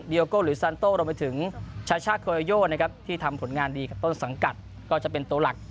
ดิโยโกะหรือซานโต้ลงไปถึงชาช่าเคยโยที่ทำผลงานดีกับต้นสังกัดก็จะเป็นตัวหลัก